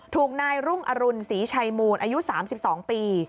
ถูกนายรุ่งอรุณศรีชัยมูลอายุ๓๒ปี